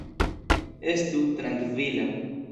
Estu trankvila.